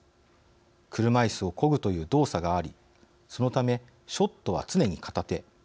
車いすをこぐという動作がありそのため、ショットは常に片手。